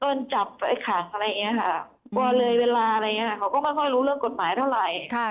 กลัวเลยเวลาอะไรอย่างนี้ค่ะเขาก็ไม่ค่อยรู้เรื่องกฎหมายเท่าไหร่